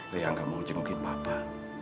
dia gak mau jengukin papa